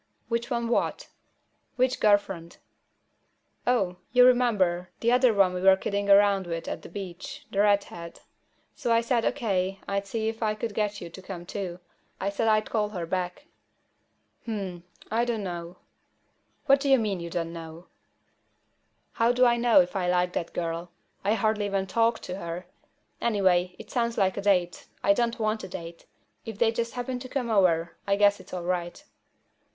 "Which one what?" "Which girl friend?" "Oh. You remember, the other one we were kidding around with at the beach, the redhead. So I said, O.K., I'd see if I could get you to come too. I said I'd call her back." "Hmp. I don't know." "What d'you mean, you don't know?" "How do I know if I like that girl? I hardly even talked to her. Anyway, it sounds like a date. I don't want a date. If they just happen to come over, I guess it's all right."